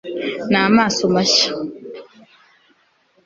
n'amaso mashya